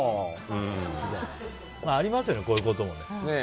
ありますよね、こういうことも。